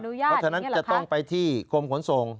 เพราะฉะนั้นจะต้องไปที่กรมขนส่ง